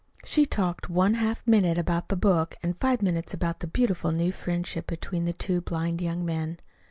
She talked one half minute about the book and five minutes about the beautiful new friendship between the two blind young men.